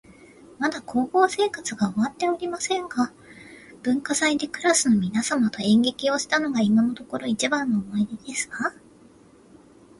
まだ高校生活が終わっておりませんが、文化祭でクラスの皆様と演劇をしたのが今のところ一番の思い出ですわ